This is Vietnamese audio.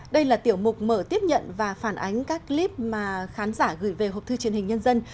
đây là tiểu mục mở tiếp nhận và phản ánh các clip mà khán giả gửi về học thư truyền hình nhân dân